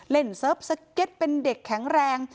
เซิร์ฟสเก็ตเป็นเด็กแข็งแรง